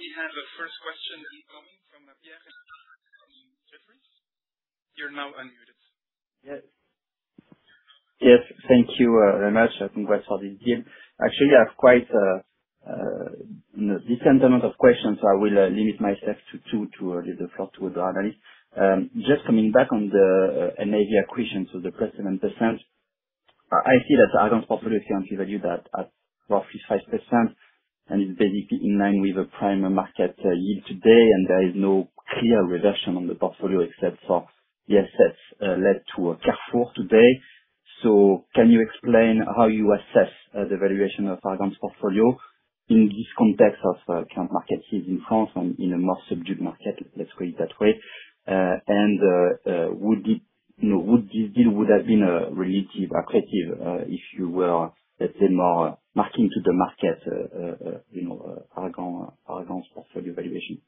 We already have a first question incoming from Pierre and Jeffrey. You're now unmuted. Yes, thank you very much. Congrats for this deal. Actually, I have quite a decent amount of questions, so I will limit myself to two to give the floor to other analysts. Just coming back on the NAV acquisition, so the +7%, I see that ARGAN's portfolio is currently valued at about 55%, and it's basically in line with the prime market yield today, and there is no clear reversion on the portfolio except for the assets led to Carrefour today. Can you explain how you assess the valuation of ARGAN's portfolio in this context of current market yield in France and in a more subdued market, let's call it that way? Would this deal have been relative attractive if you were, let's say, more marking to the market ARGAN's portfolio valuation?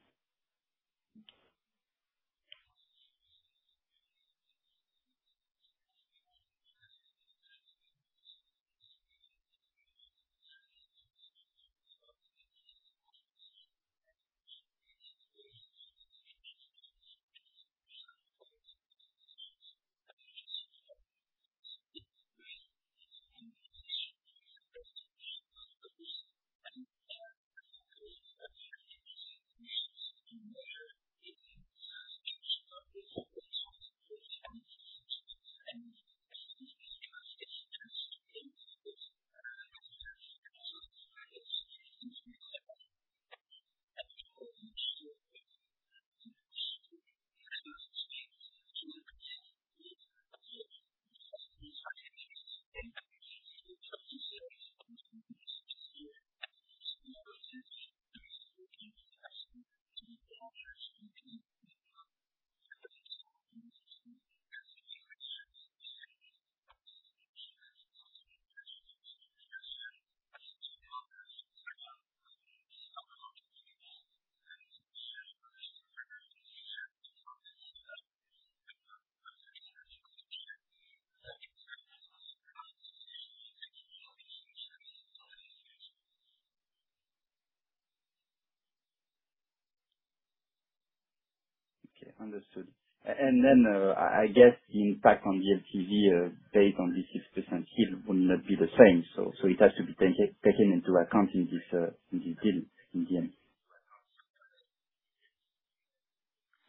Okay, understood. I guess the impact on the LTV based on this 6% yield would not be the same, it has to be taken into account in this deal in the end.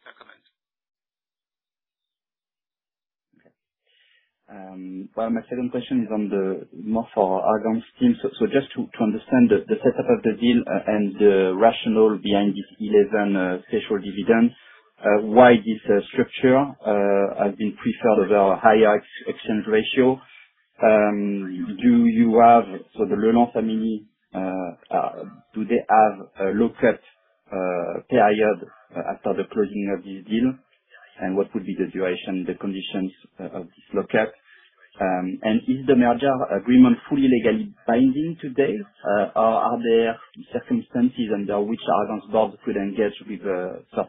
That's a comment. Well, my second question is more for ARGAN's team. Just to understand the setup of the deal and the rationale behind this 11 special dividends, why this structure has been preferred over a higher exchange ratio. Do the Le family have a lock-up period after the closing of this deal, and what would be the duration, the conditions of this lock-up? Is the merger agreement fully legally binding today, or are there circumstances under which ARGAN's board could engage with a third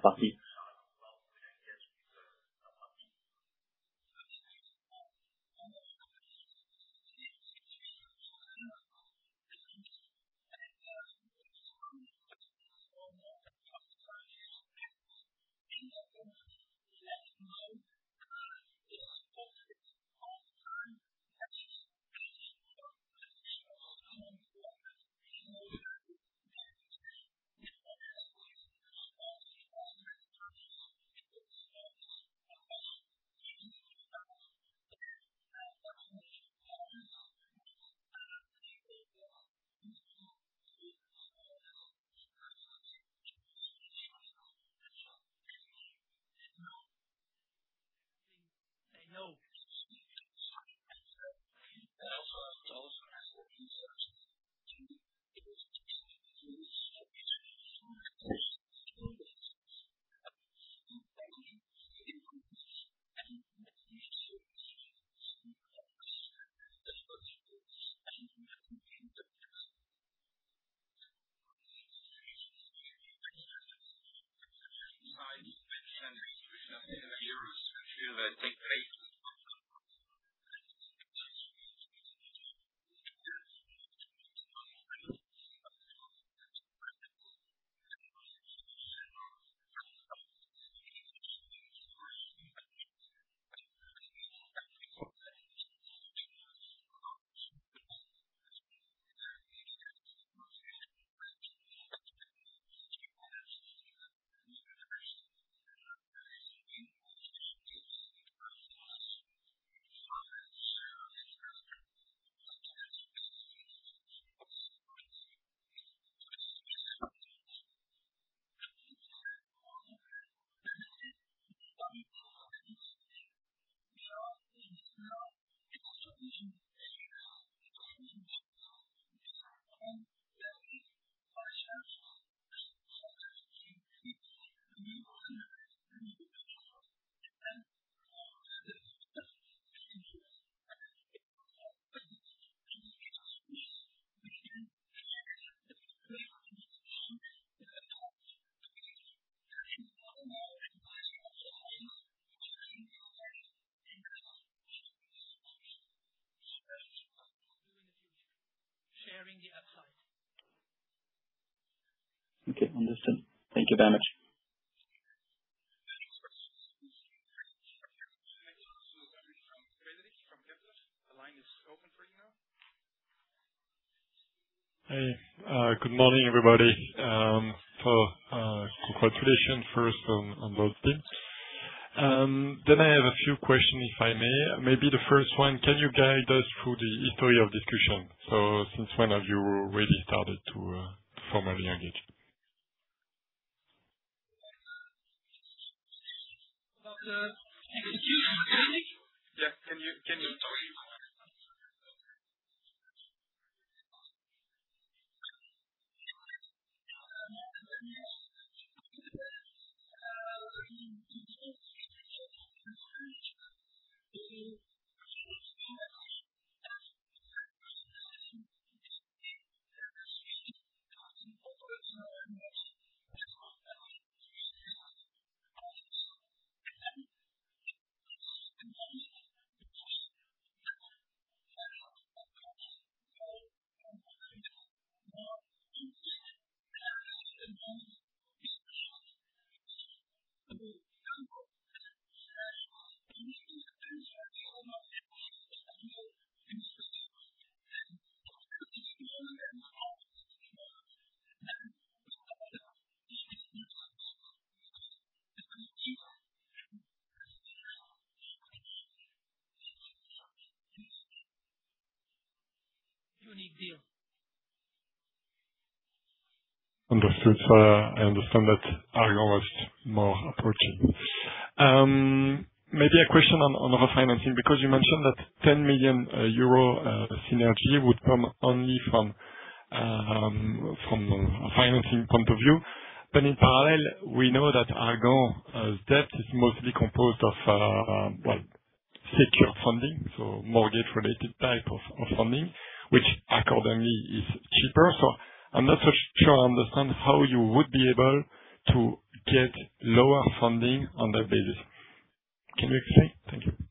the money? Sharing the upside. Okay, understood. Thank you very much. The line is open for you now. Hey. Good morning, everybody. For quite tradition, first on both teams. I have a few questions, if I may. Maybe the first one, can you guide us through the history of discussion? Since when have you really started to formally engage? About the execution mechanic? Yeah, can you talk? Unique deal. I understand that ARGAN was more approaching. Maybe a question on financing, because you mentioned that 10 million euro synergy would come only from a financing point of view. In parallel, we know that ARGAN's debt is mostly composed of, well, secure funding, so mortgage-related type of funding, which accordingly is cheaper. I'm not so sure I understand how you would be able to get lower funding on that basis. Can you explain? Thank you.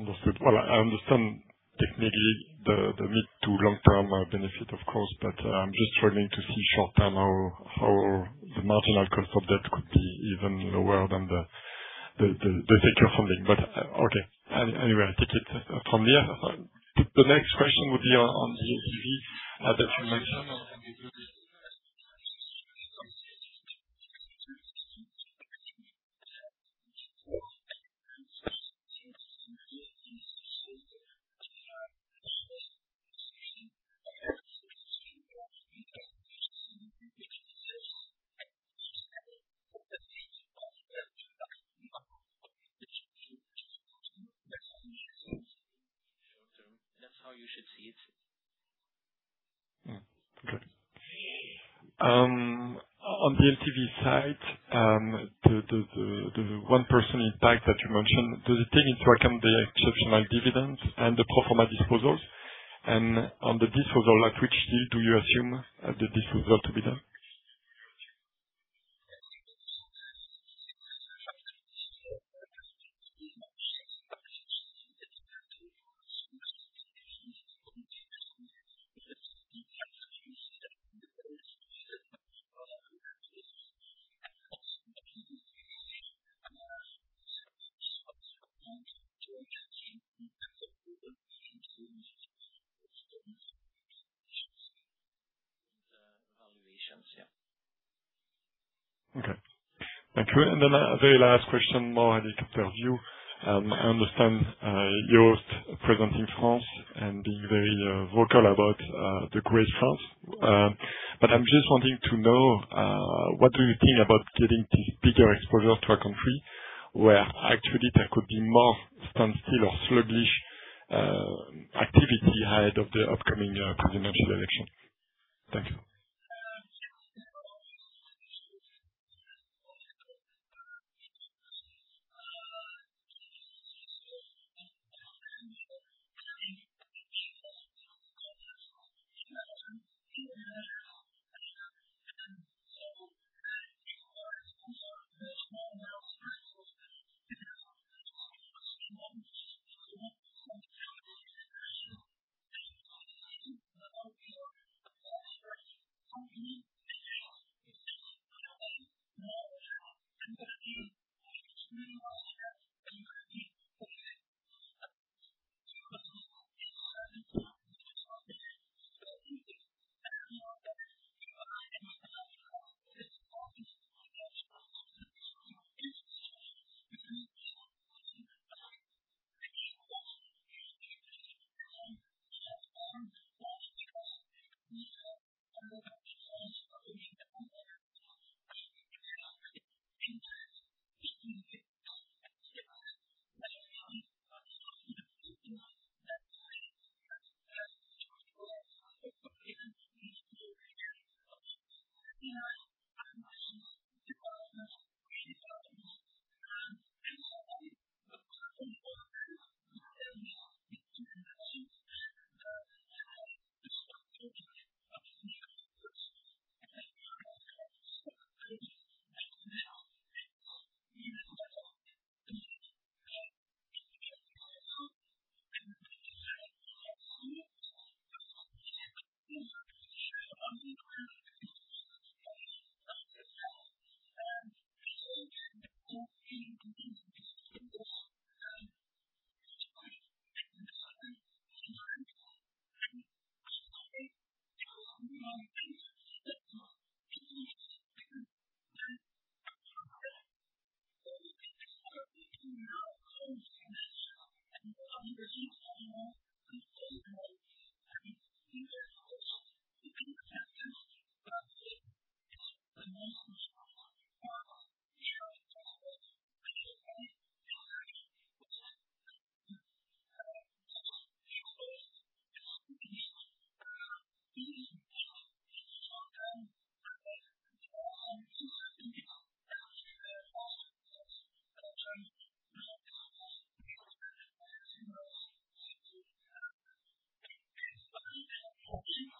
Understood. I understand technically the mid to long-term benefit, of course, I'm just struggling to see short-term how the marginal cost of debt could be even lower than the secure funding. Okay. Anyway, I think it's from there. The next question would be on the LTV that you mentioned. Short-term. That's how you should see it. Okay. On the LTV side, the one-person impact that you mentioned, does it take into account the exceptional dividends and the proforma disposals? On the disposals, at which deal do you assume the disposal to be done? The valuations, yeah. Okay. Thank you. Then a very last question, more helicopter view. I understand you're presenting France and being very vocal about the great France, I'm just wanting to know, what do you think about giving this bigger exposure to a country where actually there could be more standstill or sluggish activity ahead of the upcoming presidential election? Thanks. Thank you. Yes. The line is now open.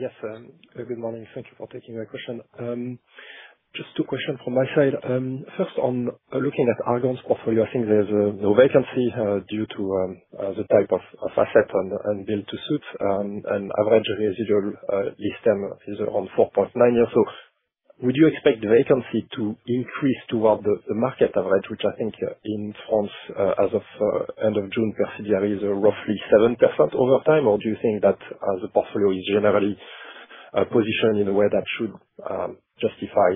Yes, good morning. Thank you for taking my question. Just two questions from my side. First, on looking at ARGAN's portfolio, I think there's no vacancy due to the type of asset and build to suit. Average residual list time is around 4.9 years. Would you expect vacancy to increase toward the market average, which I think in France as of end of June per CBRE is roughly 7% over time? Do you think that the portfolio is generally positioned in a way that should justify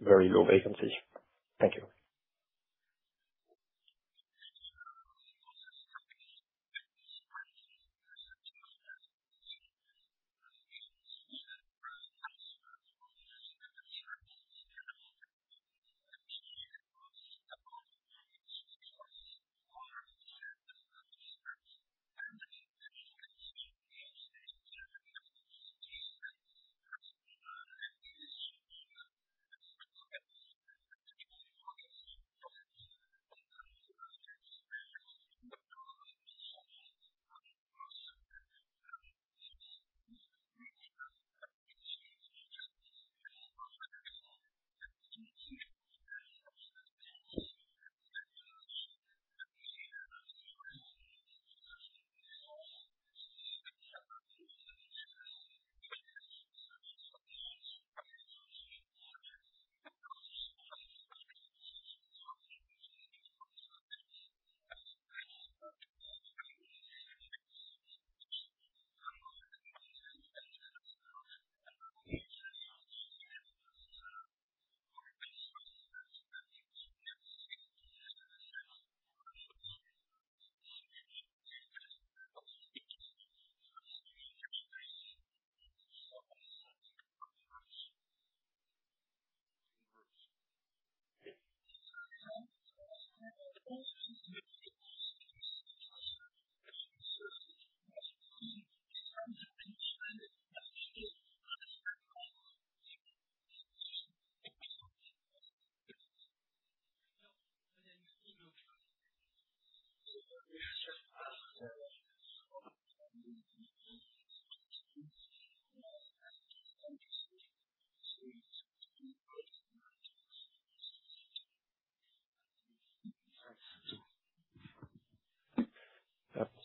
very low vacancy? Thank you.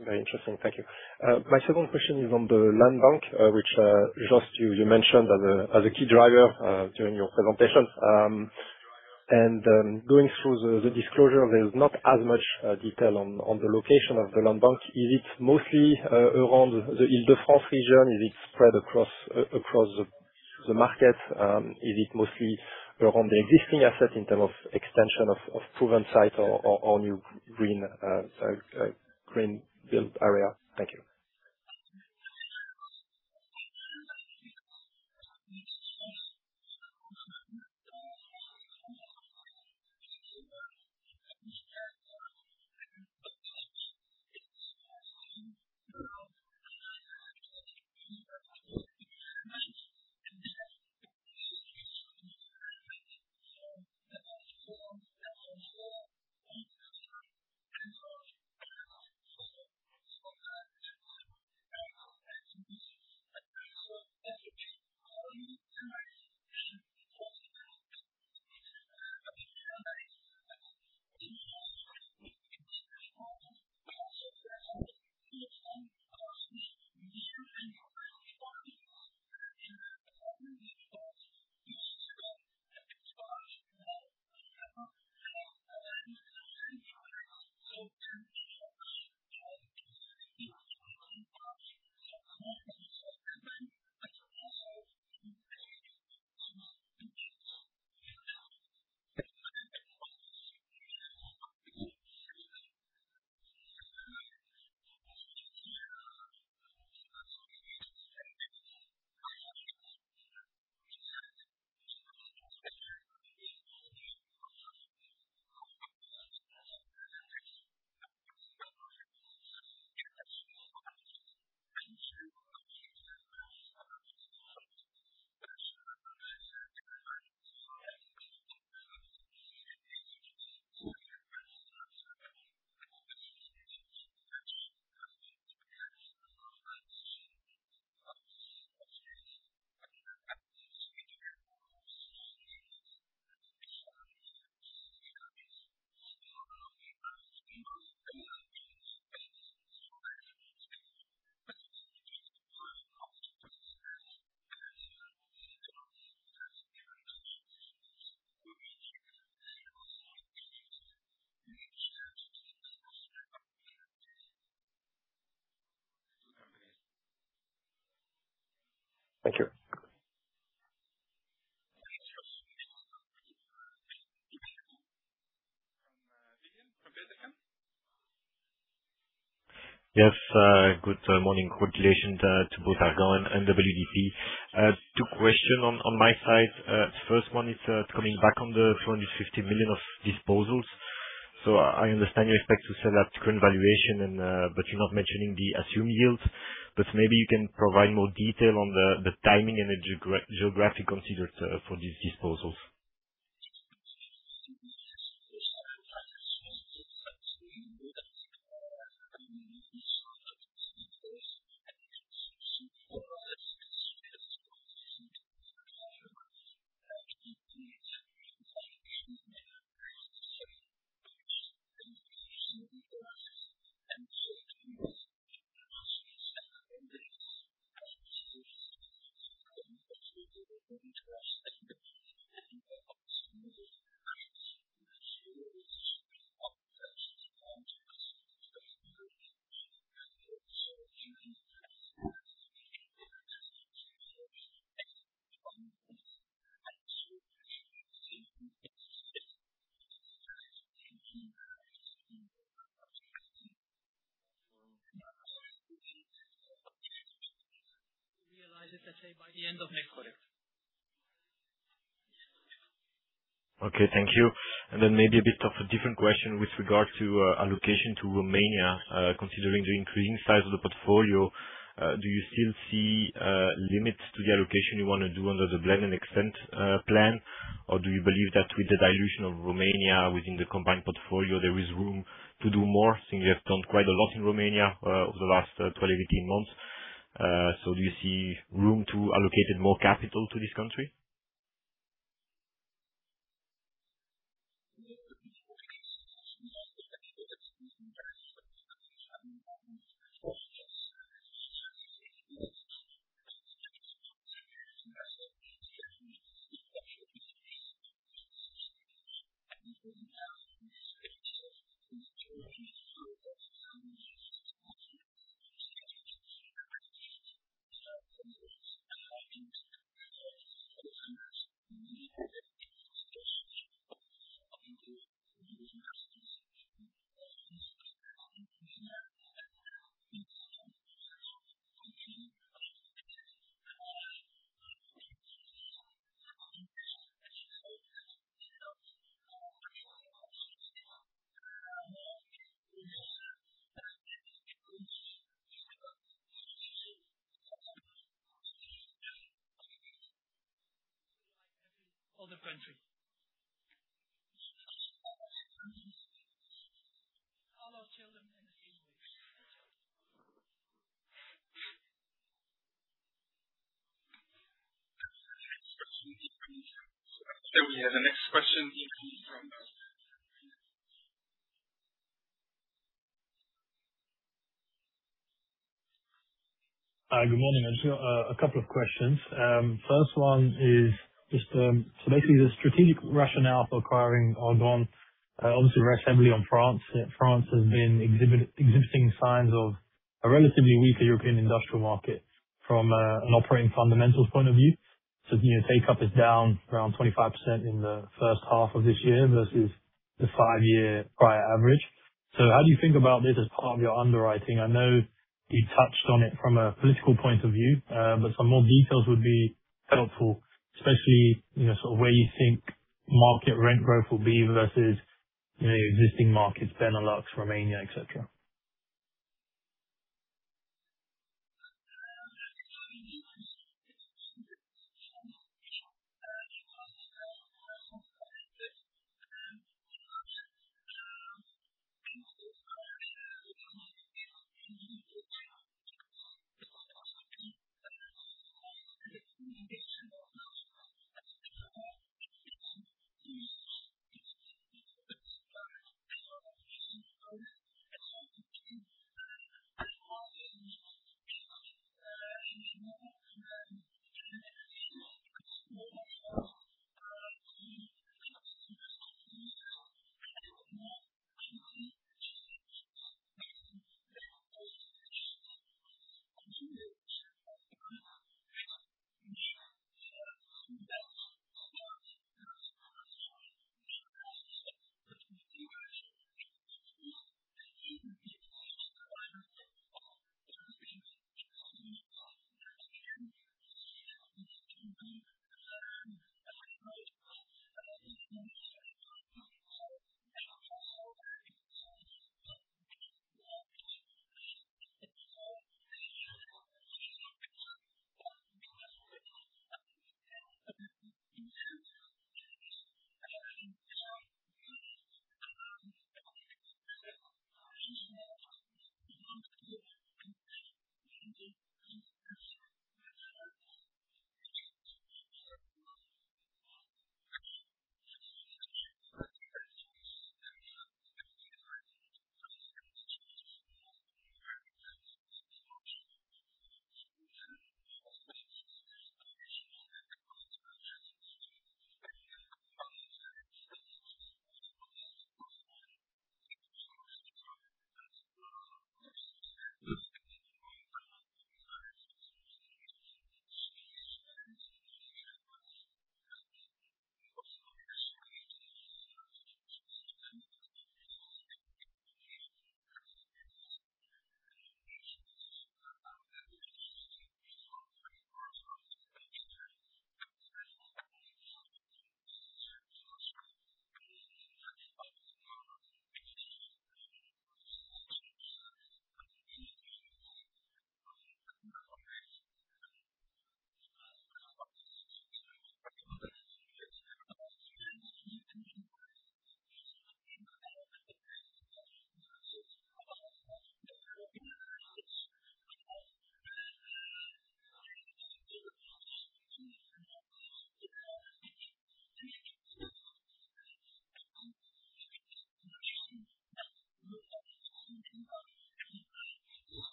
That's very interesting. Thank you. My second question is on the land bank, which just you mentioned as a key driver during your presentation. Going through the disclosure, there's not as much detail on the location of the land bank. Is it mostly around the Île-de-France region? Is it spread across the market? Is it mostly around the existing asset in terms of extension of proven site or new green build area? Thank you. Thank you. From Île-de-France. Yes, good morning. Congratulations to both ARGAN and WDP. Two questions on my side. First one is coming back on the 250 million of disposals. I understand you expect to sell at current valuation, but you are not mentioning the assumed yield. Maybe you can provide more detail on the timing and the geographic considered for these disposals. We realize it, let's say, by the end of next quarter. Okay, thank you. Maybe a bit of a different question with regard to allocation to Romania. Considering the increasing size of the portfolio, do you still see limits to the allocation you want to do under the blend and extend plan? Do you believe that with the dilution of Romania within the combined portfolio, there is room to do more since you have done quite a lot in Romania over the last 12, 18 months? Do you see room to allocate more capital to this country? Other country. We have the next question incoming from. Good morning. I'm sure a couple of questions. First one is just basically the strategic rationale for acquiring ARGAN. Obviously, we're heavily on France. France has been exhibiting signs of a relatively weaker European industrial market from an operating fundamentals point of view. Take-up is down around 25% in the first half of this year versus the 5-year prior average. How do you think about this as part of your underwriting? I know you touched on it from a political point of view, but some more details would be helpful, especially sort of where you think market rent growth will be versus existing markets, Benelux, Romania, etc. European solution.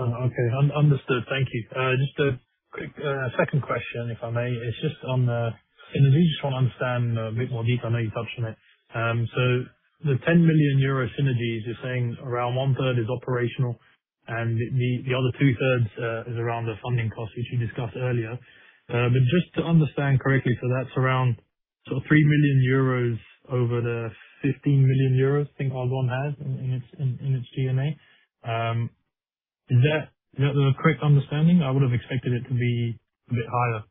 Okay, understood. Thank you. Just a quick second question, if I may. It's just on the synergies you just want to understand a bit more deeply. I know you touched on it. The 10 million euro synergies, you're saying around one-third is operational and the other two-thirds is around the funding cost, which you discussed earlier. Just to understand correctly, that's around sort of 3 million euros over the 15 million euros I think ARGAN has in its G&A. Is that the correct understanding? I would have expected it to be a bit higher.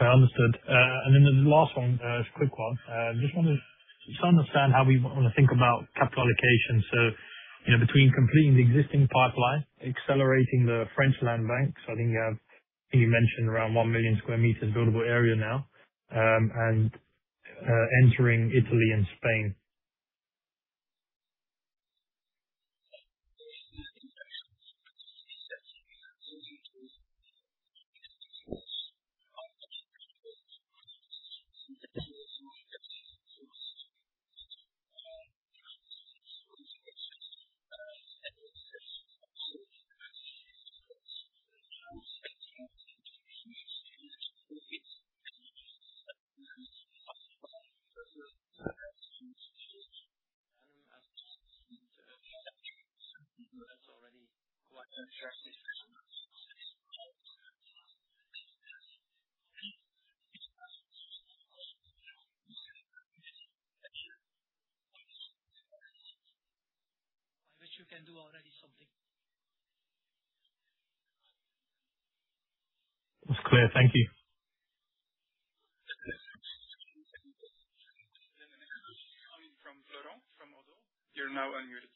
Understood. The last one, a quick one. This one is just to understand how we want to think about capital allocation. Between completing the existing pipeline, accelerating the French land bank, I think you mentioned around 1 million sq m buildable area now, and entering Italy and Spain. I bet you can do already something. That's clear. Thank you. You're now unmuted.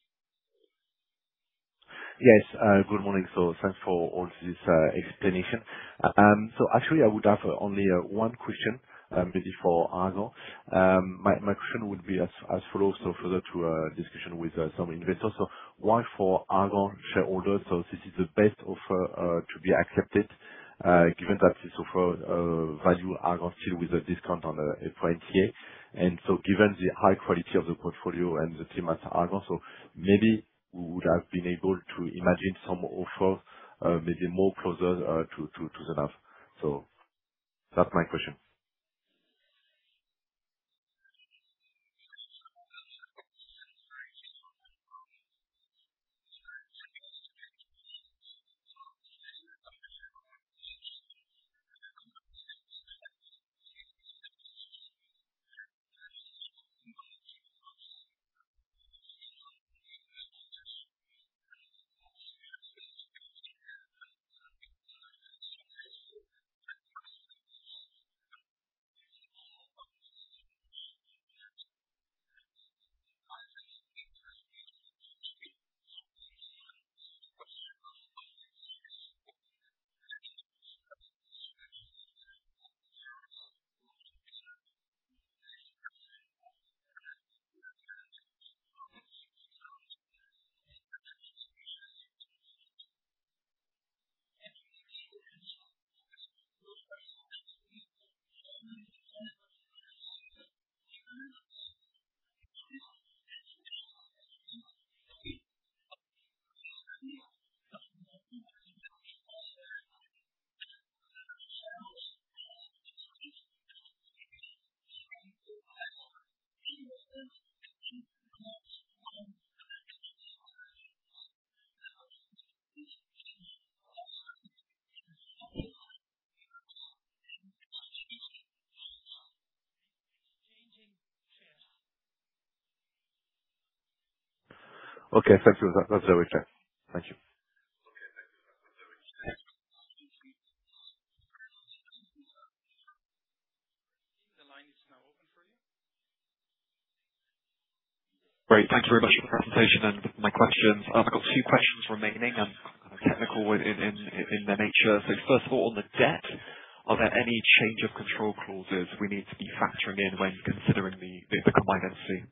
Yes, good morning. Thanks for all this explanation. Actually, I would have only one question maybe for ARGAN. My question would be as follows, so further to a discussion with some investors. Why for ARGAN shareholders? This is the best offer to be accepted given that this offer values ARGAN still with a discount on a prime tier. Given the high quality of the portfolio and the team at ARGAN, so maybe we would have been able to imagine some offer maybe more closer to the NAV. That's my question. Changing shares. Okay, thank you. That's very clear. Thank you. The line is now open for you. Great. Thank you very much for the presentation and my questions. I've got a few questions remaining, technical in their nature. First of all, on the debt, are there any change of control clauses we need to be factoring in when considering the combined entity?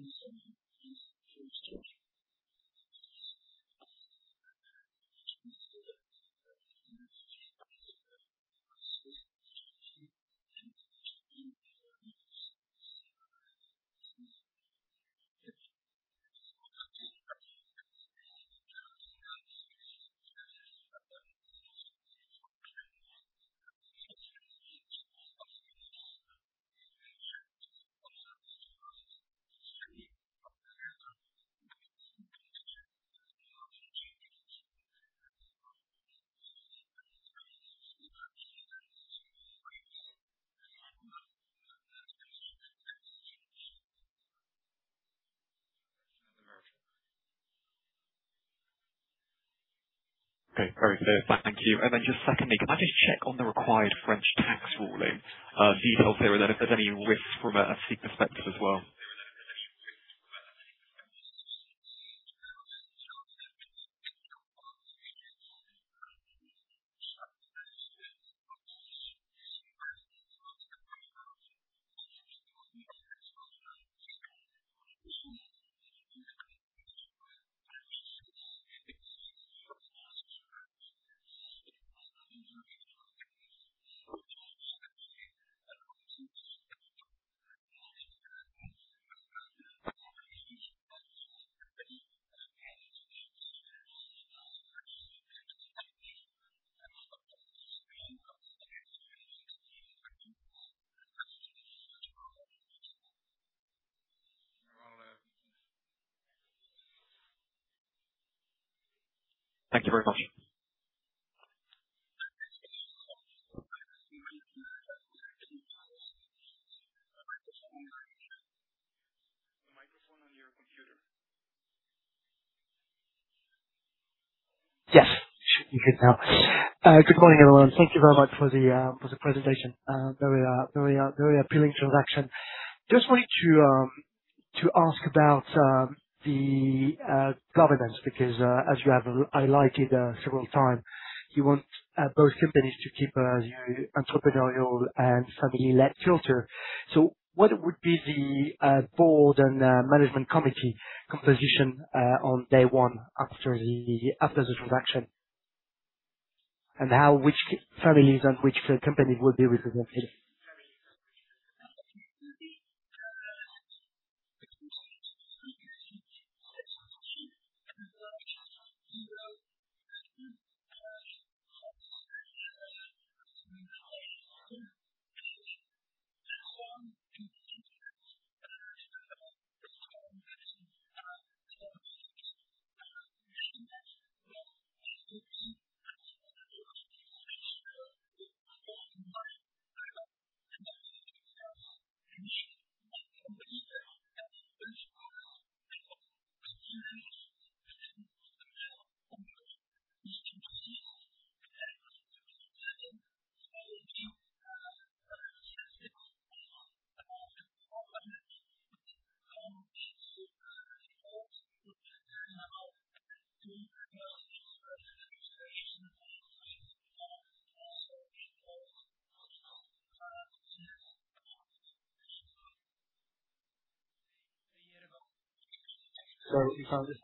That's another option. Okay, perfect. Thank you. Secondly, can I just check on the required French tax ruling details there and then if there's any risks from a SIIC perspective as well? Thank you very much. The microphone on your computer. Yes, it should be good now. Good morning, everyone. Thank you very much for the presentation. Very appealing transaction. Just wanted to ask about the governance because, as you have highlighted several times, you want both companies to keep an entrepreneurial and family-led culture. What would be the board and management committee composition on day one after the transaction? How which families and which companies would be represented? You found it.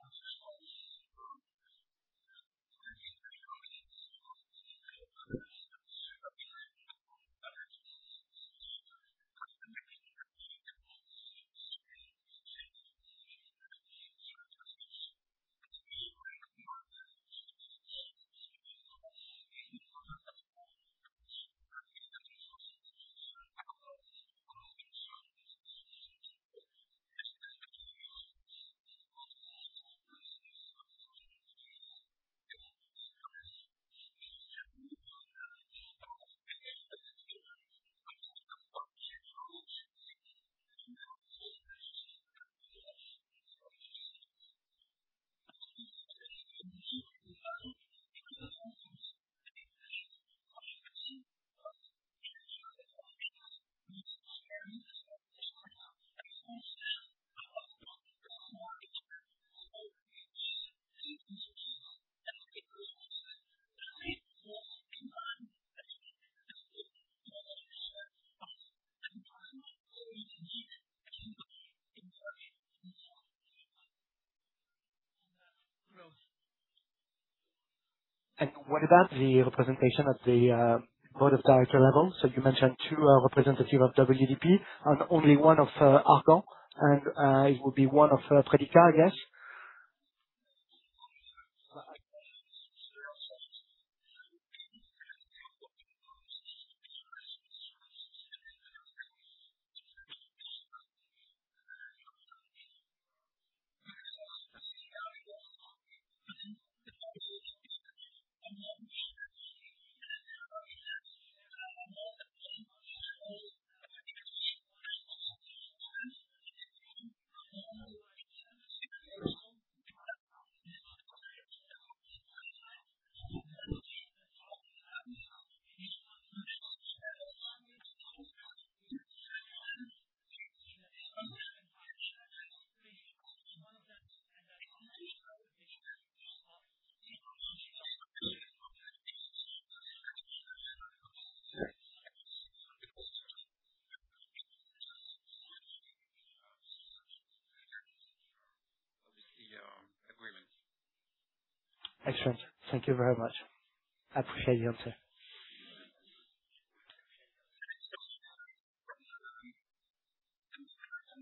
What about the representation at the board of director level? You mentioned two representatives of WDP and only one of ARGAN, and it would be one of Predica, I guess. Of the agreement. Excellent. Thank you very much. I appreciate the answer. Can you also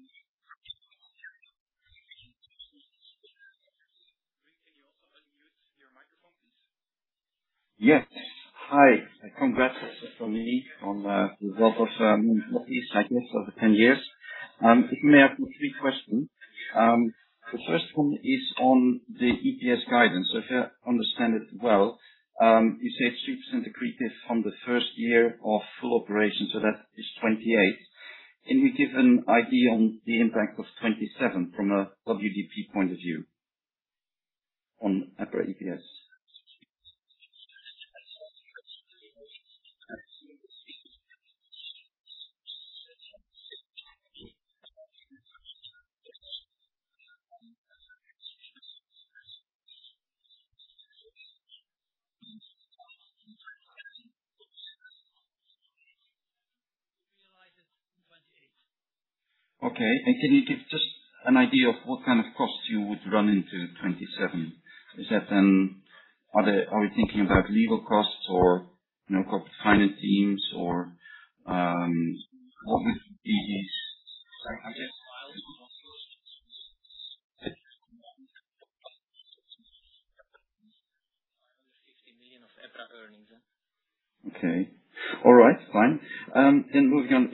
unmute your microphone, please? Yes. Hi. Congrats from me on the result of the 10 years. If you may, I have three questions. The first one is on the EPS guidance. If I understand it well, you said 3% decrease from the first year of full operation, so that is 2028. Can you give an idea on the impact of 2027 from a WDP point of view on EPS? Okay. Can you give just an idea of what kind of costs you would run into 2027? Is that then are we thinking about legal costs or corporate finance teams or what would be the? 50 million of EPRA earnings. Okay. All right. Fine. Moving on,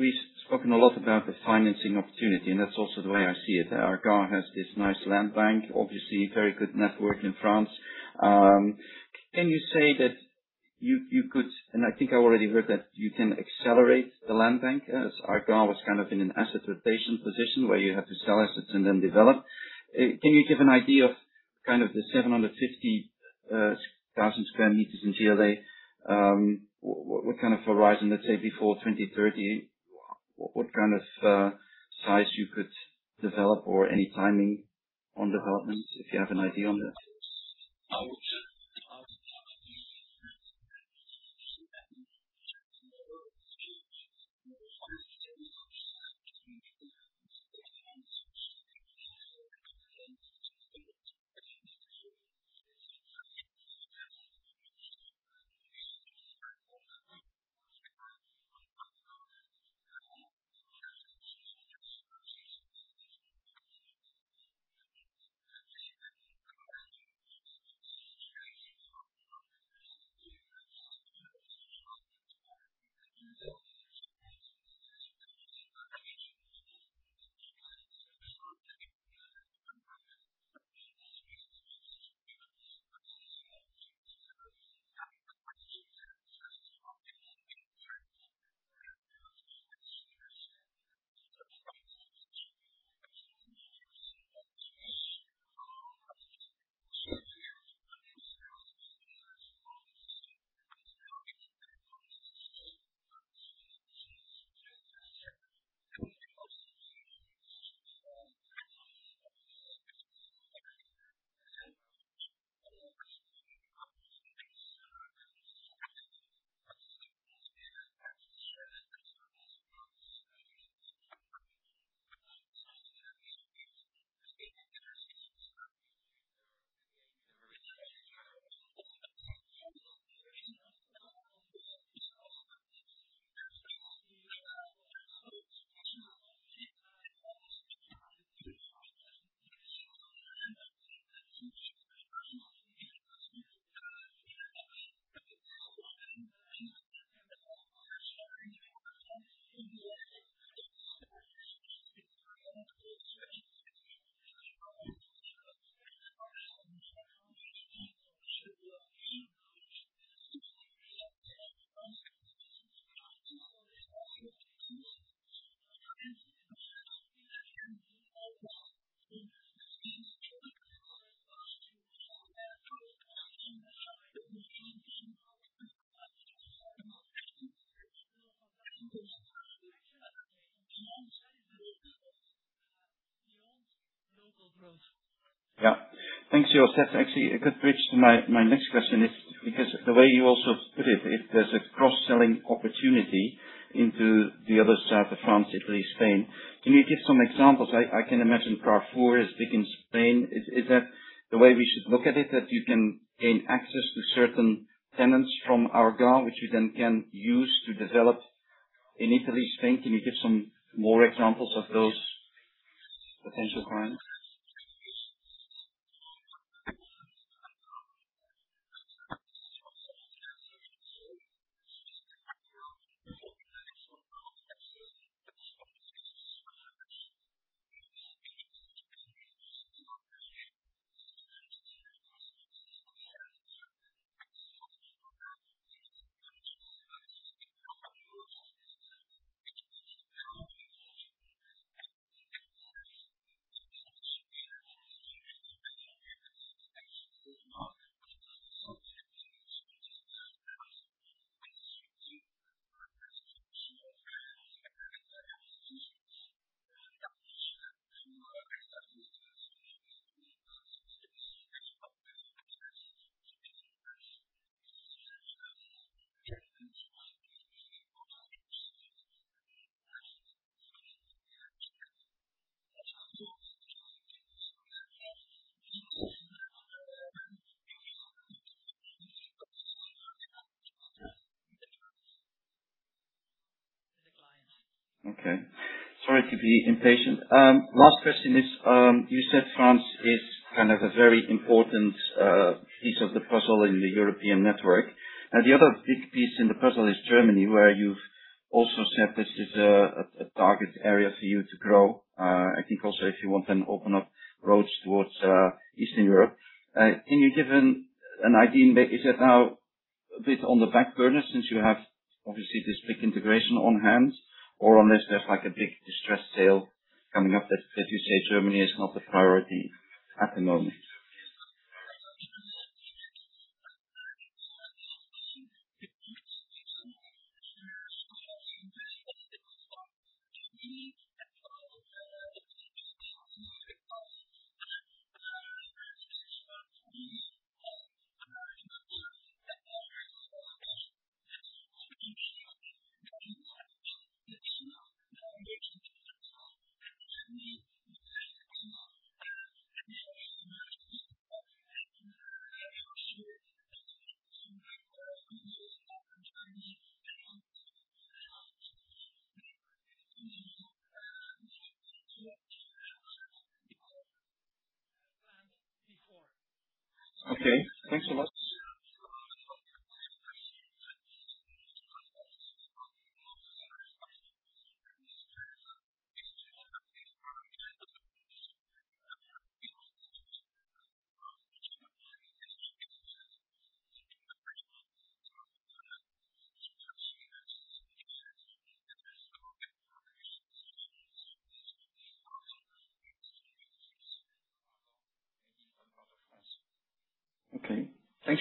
we've spoken a lot about the financing opportunity, that's also the way I see it. ARGAN has this nice land bank, obviously very good network in France. Can you say that you could and I think I already heard that you can accelerate the land bank? ARGAN was kind of in an asset rotation position where you have to sell assets and then develop. Can you give an idea of kind of the 750,000 sq m in GLA? What kind of horizon, let's say before 2030, what kind of size you could develop or any timing on development if you have an idea on that? Yeah. Thanks, Joseph. Actually, a good bridge to my next question is because the way you also put it, if there's a cross-selling opportunity into the other side of France, Italy, Spain, can you give some examples? I can imagine Carrefour is big in Spain. Is that the way we should look at it, that you can gain access to certain tenants from ARGAN, which you then can use to develop in Italy, Spain? Can you give some more examples of those potential clients? For the client. Okay. Sorry to be impatient. Last question is, you said France is kind of a very important piece of the puzzle in the European network. The other big piece in the puzzle is Germany, where you've also said this is a target area for you to grow. I think also if you want to open up roads towards Eastern Europe. Can you give an idea? Is that now a bit on the back burner since you have obviously this big integration on hand, or unless there's a big distress sale coming up that you say Germany is not the priority at the moment?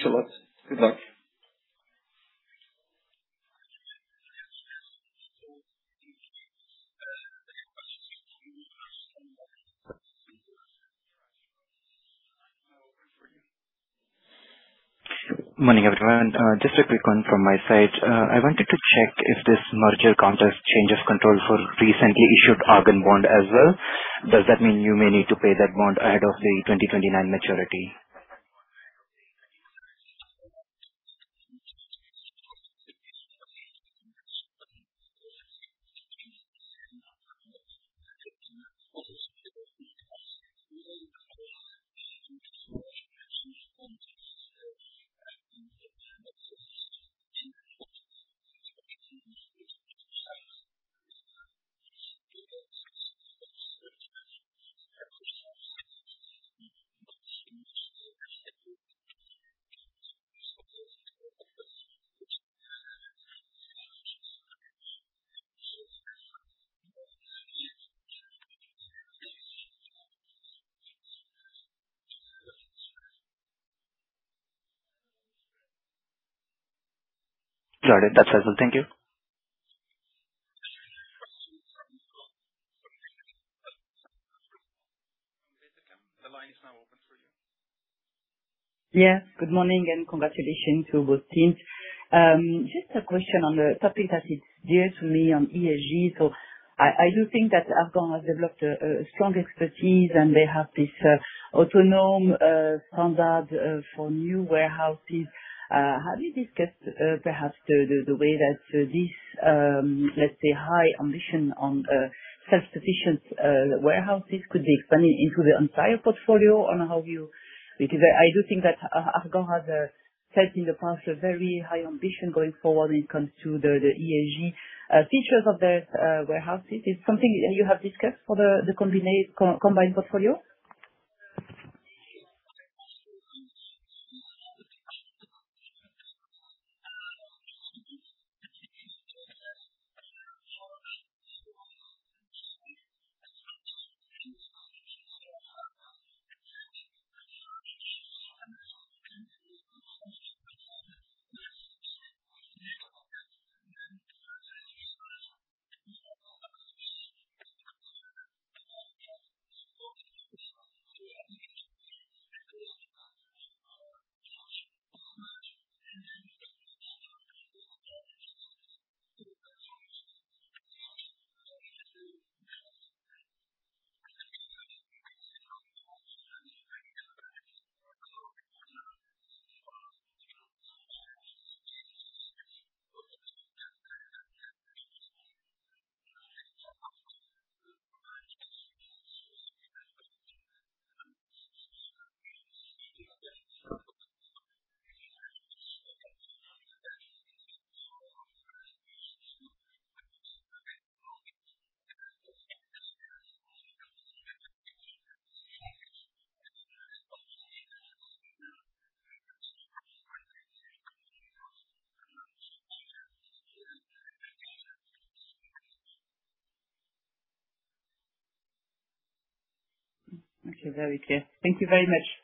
Okay. Thanks so much. Okay. Thanks a lot. Good luck. Good morning, everyone. Just a quick one from my side. I wanted to check if this merger contract changes control for recently issued ARGAN bond as well. Does that mean you may need to pay that bond ahead of the 2029 maturity? Got it. That's helpful. Thank you. The line is now open for you. Yeah. Good morning and congratulations to both teams. Just a question on the topic that is dear to me on ESG. I do think that ARGAN has developed a strong expertise and they have this autonomous standard for new warehouses. Have you discussed perhaps the way that this, let's say, high ambition on self-sufficient warehouses could be expanded into the entire portfolio on how you because I do think that ARGAN has set in the past a very high ambition going forward when it comes to the ESG features of their warehouses. Is it something you have discussed for the combined portfolio? Okay. Very clear. Thank you very much.